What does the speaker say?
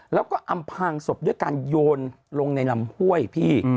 แล้วก็อำพางศพด้วยการโยนลงในลำห้วยพี่